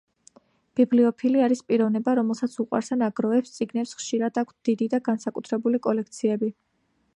ბიბლიოფილი არის პიროვნება, რომელსაც უყვარს ან აგროვებს წიგნებს, ხშირად აქვთ დიდი და განსაკუთრებული კოლექციები.